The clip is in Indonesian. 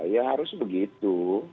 ya harus begitu